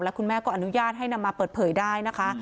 คุณแม่ก็อนุญาตให้นำมาเปิดเผยได้นะคะ